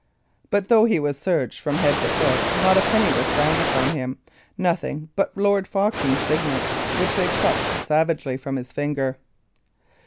But though he was searched from head to foot, not a penny was found upon him; nothing but Lord Foxham's signet, which they plucked savagely from his finger.